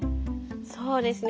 そうですね。